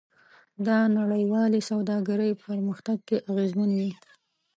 دا نړیوالې سوداګرۍ په پرمختګ کې اغیزمن وي.